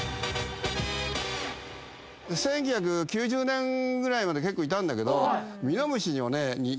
１９９０年ぐらいまで結構いたんだけど。